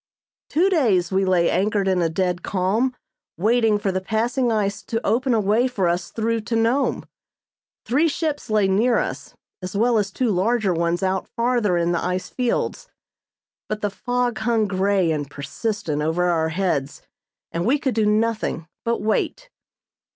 Two days we lay anchored in a dead calm, waiting for the passing ice to open a way for us through to Nome. Three ships lay near us, as well as two larger ones out farther in the ice fields; but the fog hung grey and persistent over our heads and we could do nothing but wait.